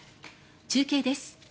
中継です。